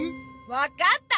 分かった！